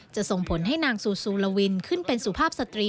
ส่งผลให้นางซูซูลาวินขึ้นเป็นสุภาพสตรี